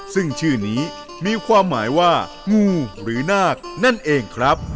ซึ่งชื่อนี้มีความหมายว่างูหรือนาคนั่นเองครับ